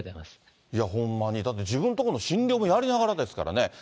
いや、ほんまに、だって自分とこの診療もやりながらですからね。